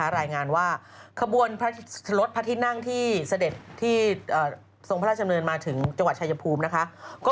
รายงานว่าขบวนพระรถพระที่นั่งที่เสด็จที่ทรงพระราชดำเนินมาถึงจังหวัดชายภูมินะคะ